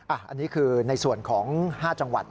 อันนี้คือในส่วนของ๕จังหวัด